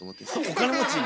お金持ちに？